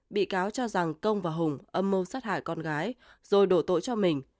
bị cáo cho rằng công và hùng âm mưu sát hại con gái rồi đổ tội cho mình